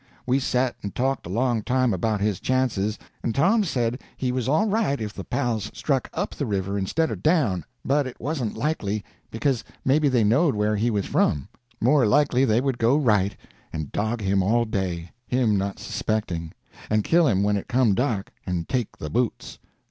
We set and talked a long time about his chances, and Tom said he was all right if the pals struck up the river instead of down, but it wasn't likely, because maybe they knowed where he was from; more likely they would go right, and dog him all day, him not suspecting, and kill him when it come dark, and take the boots.